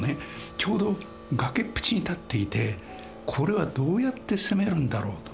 ちょうど崖っぷちに建っていてこれはどうやって攻めるんだろうと。